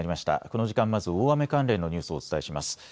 この時間、まず大雨関連のニュースをお伝えします。